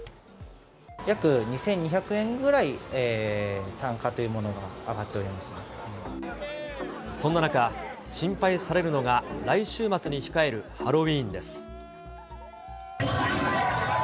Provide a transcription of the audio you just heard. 約２２００円ぐらい、単価とそんな中、心配されるのが来週末に控えるハロウィーンです。